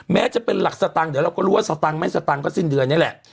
แม้จะเป็นหลักสตางค์เดี๋ยวเราก็รู้ว่าสตังค์ไม่สตังค์ก็สิ้นเดือนนี่แหละ